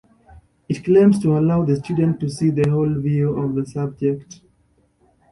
It claims to allow the student to see the whole view of the subject.